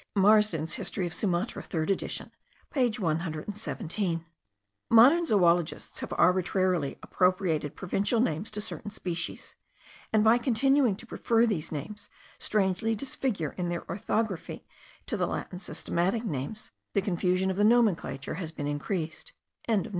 Marsden's History of Sumatra 3rd edition page 117. Modern zoologists have arbitrarily appropriated provincial names to certain species; and by continuing to prefer these names, strangely disfigured in their orthography, to the Latin systematic names, the confusion of the nomenclature has been increased.)